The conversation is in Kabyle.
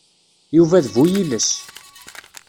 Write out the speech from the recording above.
Yuba d bu-yiles.